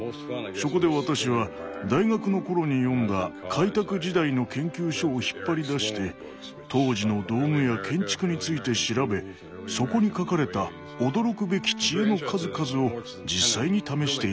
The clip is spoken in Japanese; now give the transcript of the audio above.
そこで私は大学の頃に読んだ開拓時代の研究書を引っ張り出して当時の道具や建築について調べそこに書かれた驚くべき知恵の数々を実際に試していったのです。